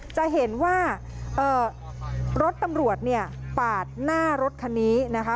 จะเห็นว่ารถตำรวจเนี่ยปาดหน้ารถคันนี้นะคะ